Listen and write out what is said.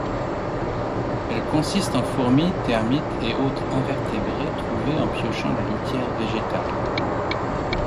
Elle consiste en fourmis, termites et autres invertébrés trouvés en piochant la litière végétale.